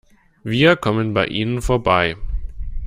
Wir kommen bei ihnen vorbei.